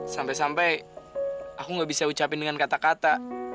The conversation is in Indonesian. sampai sampai aku gak bisa ucapin dengan kata kata